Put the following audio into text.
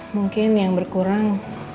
mungkin yang berkurang